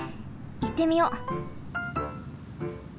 いってみよう！